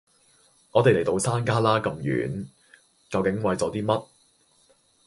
我哋嚟到到山旮旯咁遠，究竟為咗啲乜？